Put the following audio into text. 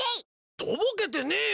とぼけてねえよ！